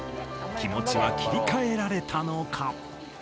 気持ちは切り替えられたのか？